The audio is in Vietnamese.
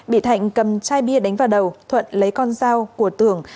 bị thạnh cầm chai bia đánh vào đầu thuận lấy con dao của tường